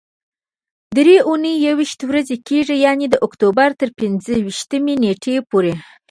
درې اونۍ یويشت ورځې کېږي، یعنې د اکتوبر تر پنځه ویشتمې نېټې پورې.